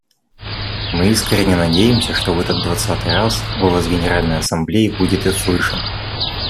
Мы искренне надеемся, что в этот двадцатый раз голос Генеральной Ассамблеи будет услышан.